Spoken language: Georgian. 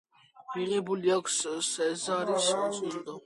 მიღებული აქვს სეზარის ჯილდო.